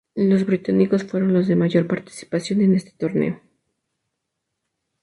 Los británicos fueron los de mayor participación en este torneo.